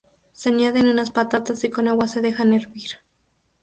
Se añaden unas patatas y con agua se deja hervir.